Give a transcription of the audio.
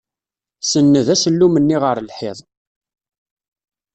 Senned asellum-nni ɣer lḥiḍ.